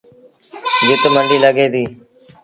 جت منڊيٚ لڳي ديٚ